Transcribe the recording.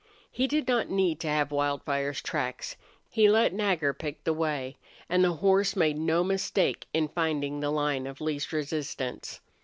He did not need to have Wildfire's tracks. He let Nagger pick the way, and the horse made no mistake in finding the line of least resistance.